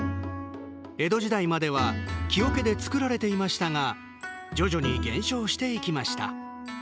江戸時代までは木おけで造られていましたが徐々に減少していきました。